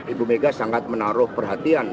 ibu mega sangat menaruh perhatian